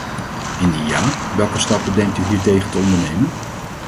Indien ja, welke stappen denkt u hiertegen te ondernemen?